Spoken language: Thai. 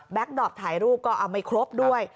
แบ็คดอร์ดถ่ายรูปก็เอาไม่ครบด้วย